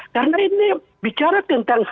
karena ini bicara tentang